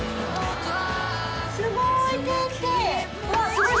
すごい！